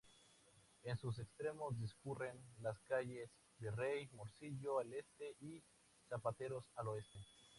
En sus extremos discurren las calles Virrey Morcillo al este y Zapateros al oeste.